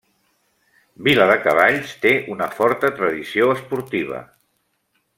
Viladecavalls té una forta tradició esportiva.